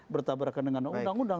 bertabrakan dengan undang undang